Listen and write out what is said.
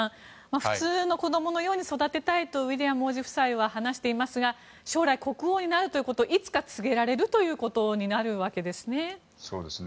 普通の子供のように育てたいとウィリアム王子夫妻は話していますが将来、国王になることをいつか告げられることになるんですね。